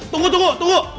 tunggu tunggu tunggu